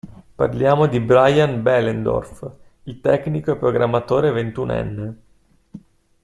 Parliamo di Brian Behlendorf, il tecnico e programmatore ventunenne.